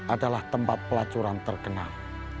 adalah tempat pelacuran terkenal